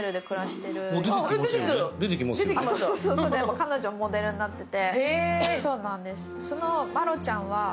彼女がモデルになってて。